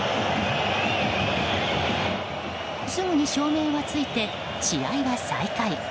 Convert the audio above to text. すぐに照明はついて、試合は再開。